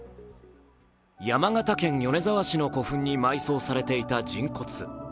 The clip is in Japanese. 山形県米沢市に埋葬されていた人骨。